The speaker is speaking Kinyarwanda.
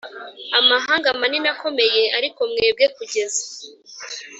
Amahanga manini akomeye ariko mwebwe kugeza